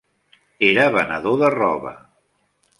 Era venedor de roba.